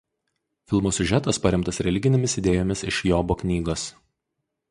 Filmo siužetas paremtas religinėmis idėjomis iš Jobo knygos.